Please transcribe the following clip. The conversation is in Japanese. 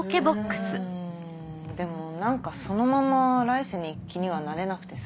うんでも何かそのまま来世に行く気にはなれなくてさ。